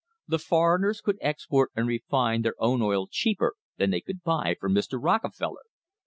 The foreign ers could export and refine their own oil cheaper than they could buy from Mr. Rockefeller.